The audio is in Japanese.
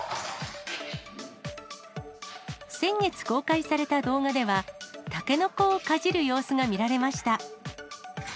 先月公開された動画では、タケノコをかじる様子が見られました。